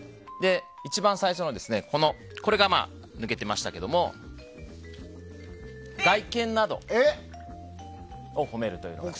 一番最初のこれが抜けてましたけど外見などを褒めるというね。